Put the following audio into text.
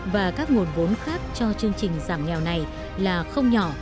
và các nguồn vốn khác cho chương trình giảm nghèo này là không nhỏ